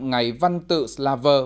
ngày văn tự slaver